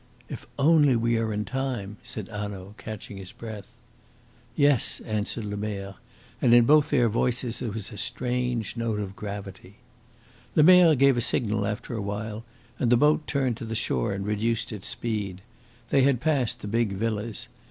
"If only we are in time!" said Hanaud, catching his breath. "Yes," answered Lemerre; and in both their voices there was a strange note of gravity. Lemerre gave a signal after a while, and the boat turned to the shore and reduced its speed. They had passed the big villas.